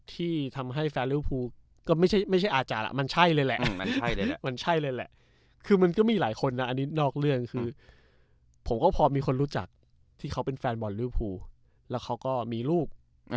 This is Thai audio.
ที่ทำให้แฟนริวภูก็ไม่ใช่อาจารย์มันใช่เลยแหละมันใช่เลยแหละคือมันก็มีหลายคนนะอันนี้นอกเรื่องคือผมก็พอมีคนรู้จักที่เขาเป็นแฟนบอลลิวภูแล้วเขาก็มีลูก